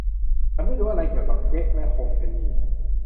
ฉันไม่รู้อะไรเกี่ยวกับเจ็กและหกเพนนี